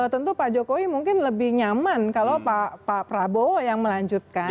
tentu pak jokowi mungkin lebih nyaman kalau pak prabowo yang melanjutkan